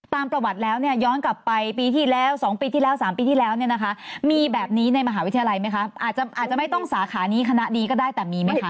ตามประวัติแล้วเนี่ยย้อนกลับไปปีที่แล้ว๒ปีที่แล้ว๓ปีที่แล้วเนี่ยนะคะมีแบบนี้ในมหาวิทยาลัยไหมคะอาจจะไม่ต้องสาขานี้คณะนี้ก็ได้แต่มีไหมคะ